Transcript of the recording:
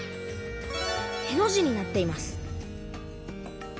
への字になっています。